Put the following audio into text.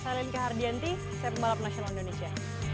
saya linka hardianti saya pembalap nasional indonesia